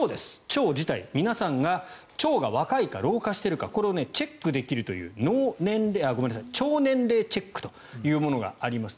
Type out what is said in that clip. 腸自体、皆さんの腸が若いか老化しているかこれをチェックできる腸年齢チェックというものがあります。